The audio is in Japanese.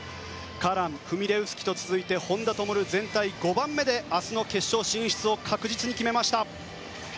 カラン、フミレウスキと続いて本多灯は全体５番目で明日の決勝進出を確実に決めました。